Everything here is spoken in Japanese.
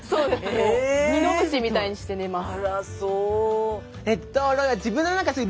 もうミノムシみたいにして寝ます。